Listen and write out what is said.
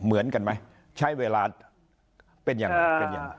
เหมือนกันไหมใช้เวลาเป็นอย่างไร